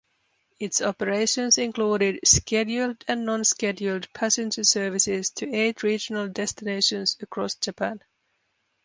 Its operations included scheduled and non-scheduled passenger services to eight regional destinations across Japan.